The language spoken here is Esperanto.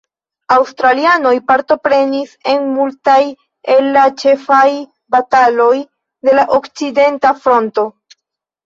Aŭstralianoj partoprenis en multaj el la ĉefaj bataloj de la Okcidenta Fronto.